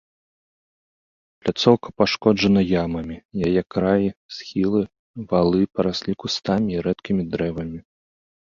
Пляцоўка пашкоджана ямамі, яе краі, схілы, валы параслі кустамі і рэдкімі дрэвамі.